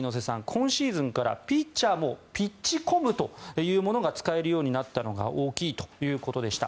今シーズンからピッチャーもピッチコムというものが使えるようになったのが大きいということでした。